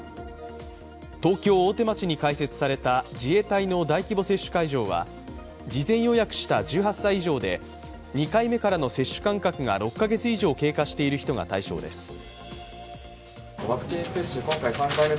東京・大手町に開設された自衛隊の大規模接種会場は、事前予約した１８歳以上で２回目からの接種間隔が６カ月以上経過している人が対象です。